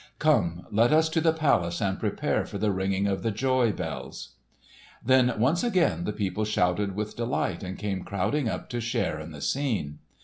Come, let us to the palace and prepare for the ringing of the joy bells!" Then once again the people shouted with delight, and came crowding up to share in the scene.